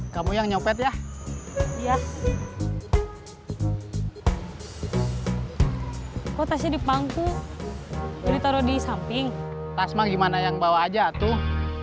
kamu yang nyopet ya iya kok tasnya dipangku ditaruh di samping tasma gimana yang bawa aja tuh